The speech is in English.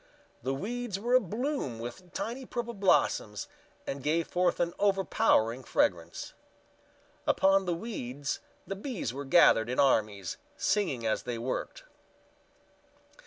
The weeds were abloom with tiny purple blossoms and gave forth an overpowering fragrance. Upon the weeds the bees were gathered in armies, singing as they worked.